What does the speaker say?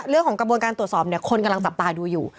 เรื่องของการตรวจสอบเนี่ยคนกำลังจับตาดูอยู่